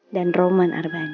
dan roman arbani